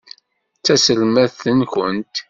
D taselmadt-nwent?